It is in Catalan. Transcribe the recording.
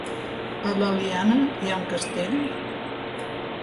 A l'Eliana hi ha un castell?